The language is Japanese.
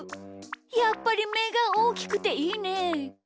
やっぱりめがおおきくていいね。